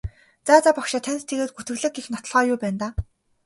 За за багшаа танд тэгээд гүтгэлэг гэх нотолгоо юу байна даа?